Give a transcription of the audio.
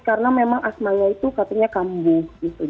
karena memang asmanya itu katanya kambuh